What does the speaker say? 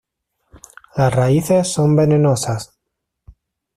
Las raíces son venenosas.